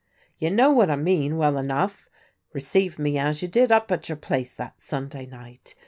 " You know what I mean well enough — ^receive mc as jTOU did up at your place that Sunday night.